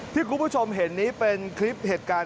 ที่คุณผู้ชมเห็นนี้เป็นคลิปเหตุการณ์